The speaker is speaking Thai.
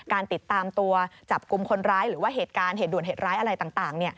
การติดตามตัวจับกลุ่มคนร้ายหรือว่าเหตุการณ์เหตุด่วนเหตุร้ายอะไรต่าง